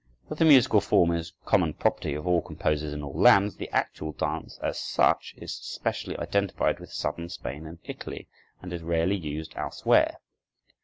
Though the musical form is common property of all composers in all lands, the actual dance, as such, is specially identified with southern Spain and Italy, and is rarely used elsewhere.